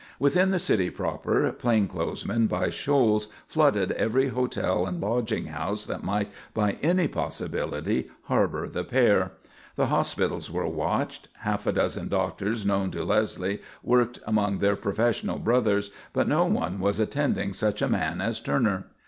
Within the city proper, plain clothes men by shoals flooded every hotel and lodging house that might by any possibility harbour the pair. The hospitals were watched; half a dozen doctors known to Leslie worked among their professional brothers, but no one was attending such a man as Turner.